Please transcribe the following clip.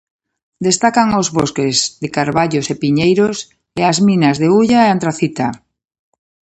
Destacan os bosques de carballos e piñeiros e as minas de hulla e antracita.